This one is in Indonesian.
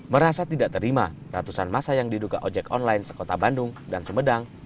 merasa tidak terima ratusan masa yang diduga ojek online sekota bandung dan sumedang